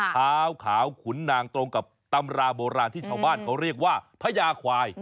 ขาวขาวขุนนางตรงกับตำราโบราณที่ชาวบ้านเขาเรียกว่าพญาควาย